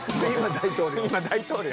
今大統領？